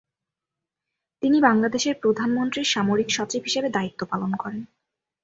তিনি বাংলাদেশের প্রধানমন্ত্রীর সামরিক সচিব হিসেবে দায়িত্ব পালন করেন।